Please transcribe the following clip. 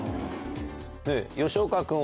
吉岡君は？